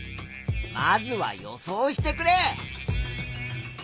まずは予想してくれ。